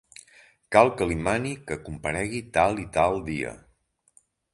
Cal que li mani que comparegui tal i tal dia.